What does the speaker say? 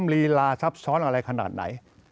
ลีลาซับซ้อนอะไรขนาดไหน